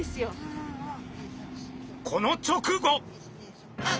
この直後！